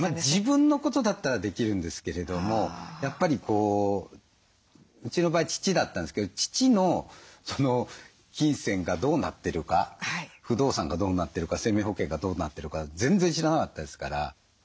自分のことだったらできるんですけれどもやっぱりこううちの場合父だったんですけど父の金銭がどうなってるか不動産がどうなってるか生命保険がどうなってるか全然知らなかったですから。